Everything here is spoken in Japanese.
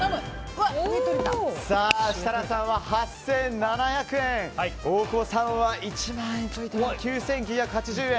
設楽さんは８７００円大久保さんは９９８０円。